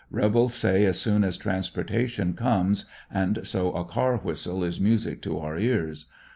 Rebels say as soon as transportation comes, and so a car whistle is music to our ears.